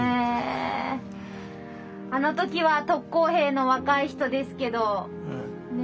あの時は特攻兵の若い人ですけどね